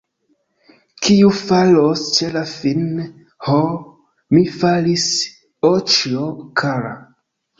Kiu falos ĉe la fin, Ho, mi falis, oĉjo kara!